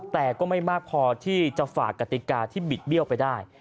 แต่ก็ไม่มากพอที่จะฝากกติกาที่บิดเบี้ยวไปได้